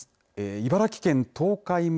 茨城県東海村